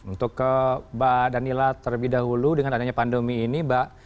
untuk ke mbak danila terlebih dahulu dengan adanya pandemi ini mbak